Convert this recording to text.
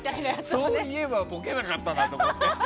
そういえばボケなかったなと思って。